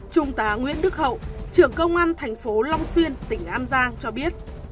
trung tá nguyễn đức hậu trưởng công an thành phố long xuyên tỉnh an giang cho biết